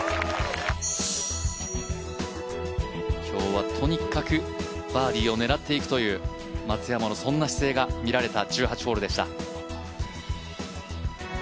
今日はとにかくバーディーを狙っていくという松山のそんな姿勢が見られた１８ホールでした。